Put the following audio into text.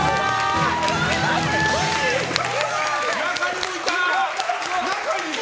中にもいた！